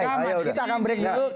kita akan beritahu